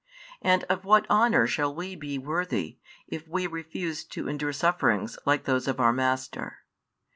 And of what honour shall we be worthy, if we refuse to endure sufferings like those of our Master?